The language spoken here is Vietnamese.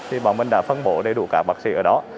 thì bọn mình đã phân bổ đầy đủ các bác sĩ ở đó